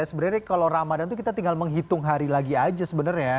sebenarnya kalau ramadan itu kita tinggal menghitung hari lagi aja sebenarnya ya